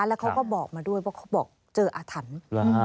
แล้วเขาก็บอกมาด้วยว่าเจออธรรม